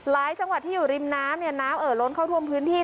จังหวัดที่อยู่ริมน้ำเนี่ยน้ำเอ่อล้นเข้าท่วมพื้นที่